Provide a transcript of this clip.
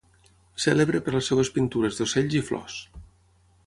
Cèlebre per les seves pintures d'ocells i flors.